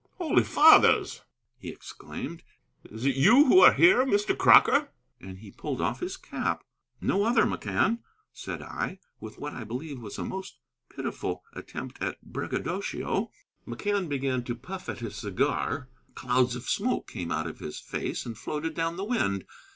"Holy fathers!" he exclaimed. "Is it you who are here, Mr. Crocker?" And he pulled off his cap. "No other, McCann," said I, with what I believe was a most pitiful attempt at braggadocio. McCann began to puff at his cigar. Clouds of smoke came out of his face and floated down the wind.